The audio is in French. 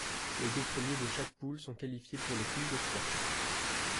Les deux premiers de chaque poule sont qualifiés pour les poules de trois.